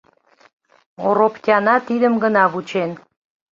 Ороптяна тидым гына вучен.